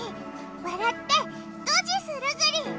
わらってドジするぐり！